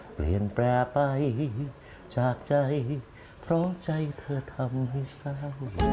เปลี่ยนแปลงไปจากใจเพราะใจเธอทำให้เศร้า